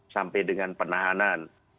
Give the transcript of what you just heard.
sampai dengan penahanan